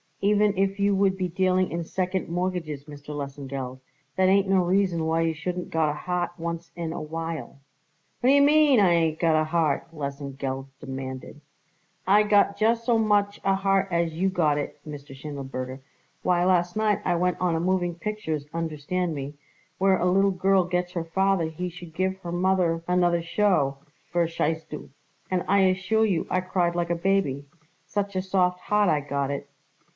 Even if you would be dealing in second mortgages, Mr. Lesengeld, that ain't no reason why you shouldn't got a heart once in a while." "What d'ye mean, I ain't got a heart?" Lesengeld demanded. "I got just so much a heart as you got it, Mr. Schindelberger. Why, last night I went on a moving pictures, understand me, where a little girl gets her father he should give her mother another show, verstehst du, and I assure you I cried like a baby, such a soft heart I got it."